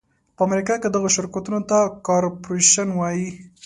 په امریکا کې دغو شرکتونو ته کارپورېشن وایي.